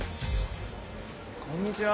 こんにちは。